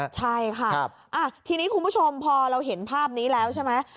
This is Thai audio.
ใช่ค่ะทีนี้คุณผู้ชมพอเราเห็นภาพนี้แล้วใช่ไหม